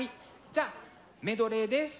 じゃあメドレーです。